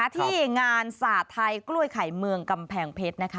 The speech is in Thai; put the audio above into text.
ที่งานสาธัยกล้วยไข่เมืองกำแพงเพชร